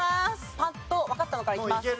パッとわかったのからいきます。